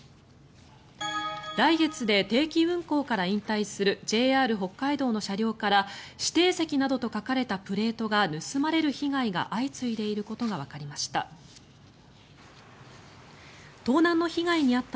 来月で定期運行から引退するＪＲ北海道の車両から指定席などと書かれたプレートが盗まれる被害が相次いでいることがわかりました。